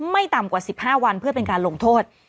ไม่ต่ำกว่า๑๕วันเพื่อเป็นการลงโทษ